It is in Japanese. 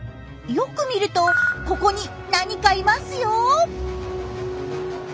よく見るとここに何かいますよ。